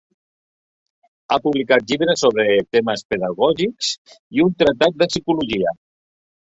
Ha publicat llibres sobre temes pedagògics i un tractat de Psicologia.